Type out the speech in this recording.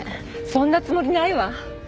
そんなつもりないわ。